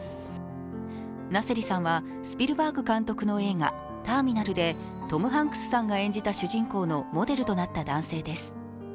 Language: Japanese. ナセリさんはスピルバーグ監督の映画「ターミナル」でトム・ハンクスさんが演じた主人公のモデルとなった男性です。